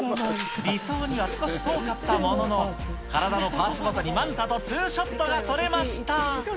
理想には少し遠かったものの、体のパーツごとにマンタと２ショットが撮れました。